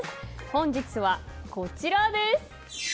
本日はこちらです。